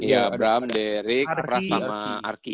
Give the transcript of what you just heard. iya ibram derick pras sama arki